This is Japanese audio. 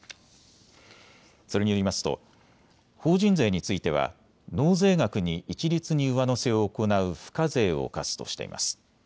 それによりますと法人税については納税額に一律に上乗せを行う付加税を課すとしています。